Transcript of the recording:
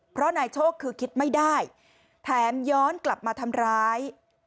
เพราะนายโชคคือคิดไม่ได้แถมย้อนกลับมาทำร้าย